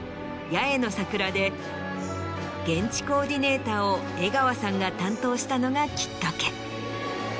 『八重の桜』で現地コーディネーターを江川さんが担当したのがきっかけ。